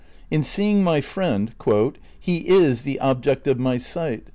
In seeing my friend, "He is the object of my sight.